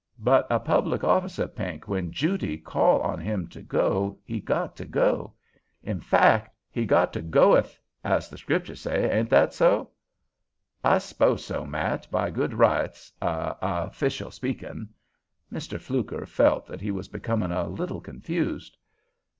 But a public officer, Pink, when jooty call on him to go, he got to go; in fack he got to goth, as the Scripture say, ain't that so?" "I s'pose so, Matt, by good rights, a—a official speakin'." Mr. Fluker felt that he was becoming a little confused.